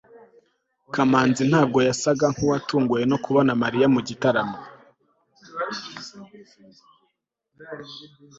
kamanzi ntabwo yasaga nkuwatunguwe no kubona mariya mugitaramo